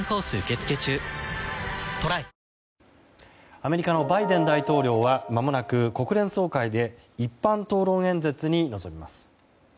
アメリカのバイデン大統領はまもなく国連総会で一般討論演説に臨みます。